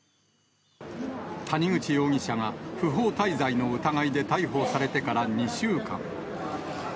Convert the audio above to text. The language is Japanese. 谷口容疑者が不法滞在の疑いで逮捕されてから２週間。